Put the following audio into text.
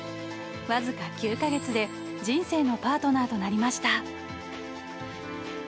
わずか９か月で人生のパートナーとなりました。